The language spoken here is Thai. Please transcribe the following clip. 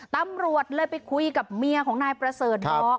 ตำรวจเลยไปคุยกับเมียของนายประเสริฐบอก